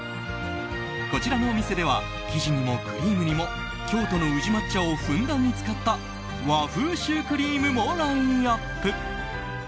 こちらのお店では生地にもクリームにも京都の宇治抹茶をふんだんに使った和風シュークリームもラインアップ。